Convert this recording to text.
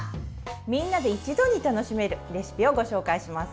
みんなで一度に楽しめるレシピをご紹介します。